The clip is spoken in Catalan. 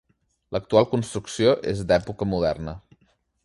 L'actual construcció és d'època moderna.